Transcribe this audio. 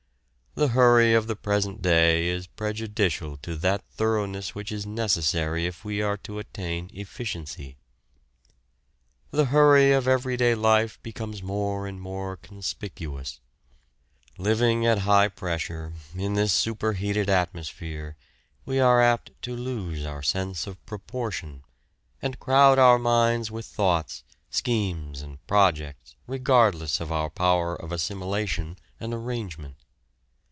The hurry of the present day is prejudicial to that thoroughness which is necessary if we are to attain efficiency. The hurry of everyday life becomes more and more conspicuous. Living at high pressure, in this super heated atmosphere we are apt to lose our sense of proportion, and crowd our minds with thoughts, schemes and projects regardless of our power of assimilation and arrangement.